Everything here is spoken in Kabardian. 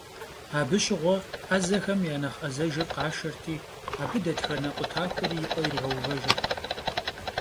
Абы щыгъуэ ӏэзэхэм я нэхъ ӏэзэжыр къашэрти, абы дэтхэнэ къутахуэри и пӏэ иригъэувэжырт.